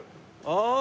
ああ。